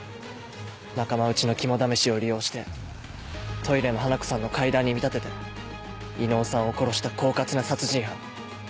仲間内の肝試しを利用してトイレの花子さんの怪談に見立てて伊能さんを殺した狡猾な殺人犯。